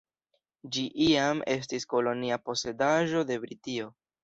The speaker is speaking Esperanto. Ĝi iam estis kolonia posedaĵo de Britio.